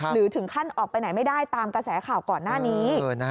ถึงขั้นออกไปไหนไม่ได้ตามกระแสข่าวก่อนหน้านี้